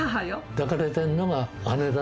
抱かれてるのが姉だね。